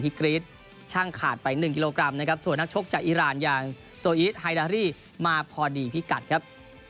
ที่กรี๊ดช่างขาดไปหนึ่งกิโลกรัมนะครับส่วนนักชกจากอิราณอย่างมาพอดีพิกัดครับ